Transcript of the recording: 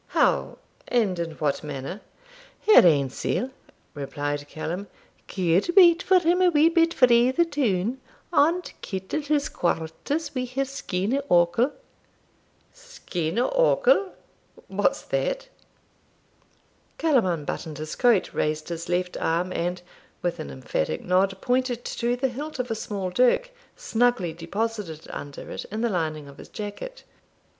'How, and in what manner?' 'Her ain sell,' replied Callum, 'could wait for him a wee bit frae the toun, and kittle his quarters wi'her skene occle.' 'Skene occle! what's that?' Callum unbuttoned his coat, raised his left arm, and, with an emphatic nod, pointed to the hilt of a small dirk, snugly deposited under it, in the lining of his jacket.